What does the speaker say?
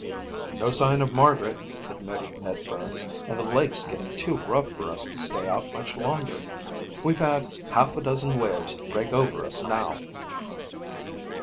"No sign of Margaret," admitted Ned Burns, "and the lake's getting too rough for us to stay out much longer. We've had half a dozen waves break over us now."